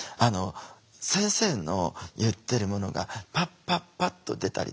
先生の言ってるものがパッパッパッと出たりとか。